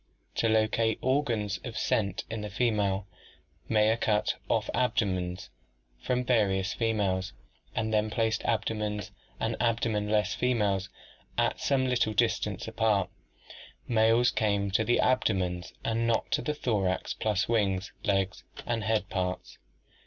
To locate the organs of scent in the female, Mayer cut off abdomens from various females and then placed abdomens and abdomenless females at some little distance apart Males came to the abdomens and not to the thorax plus wings, legs, and head parts.